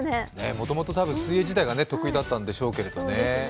もともと多分、水泳自体が得意だったんでしょうけどね。